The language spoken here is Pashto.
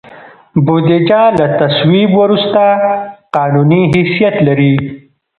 بودیجه له تصویب وروسته قانوني حیثیت لري.